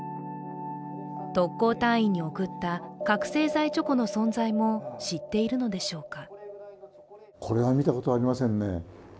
特攻隊員に送った覚醒剤チョコの存在も知っているのでしょうか。